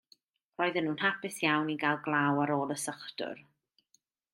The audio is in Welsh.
Roedden nhw'n hapus iawn i gael glaw ar ôl y sychdwr.